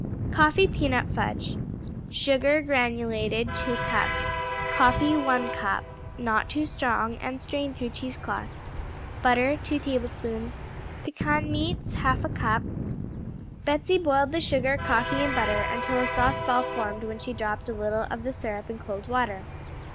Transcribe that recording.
Coffee Pecan Fudge Sugar (granulated), 2 cups Coffee, 1 cup (Not too strong, and strain through cheesecloth.) Butter, 2 tablespoons Pecan meats, 1/2 cup Betsey boiled the sugar, coffee and butter until a soft ball formed when she dropped a little of the syrup in cold water.